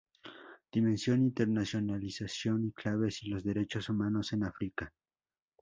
Dimensión, internacionalización y claves" y "Los derechos humanos en África".